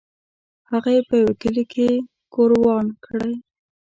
هغه یې په یوه کلي کې ګوروان کړی.